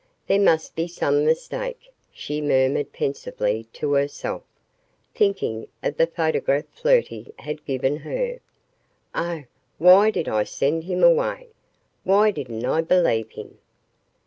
"There MUST be some mistake," she murmured pensively to herself, thinking of the photograph Flirty had given her. "Oh, why did I send him away? Why didn't I believe him?"